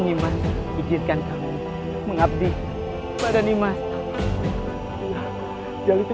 nyawa yang anggun dan yang berpengalaman untuk mencari ayah anda gusti prabu bukanlah hal yang mudah